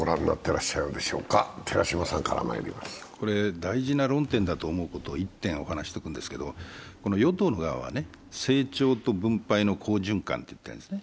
大事な論点だと思うことを１点お話ししておくんですが、与党の側は成長と分配の好循環と言ってるんです。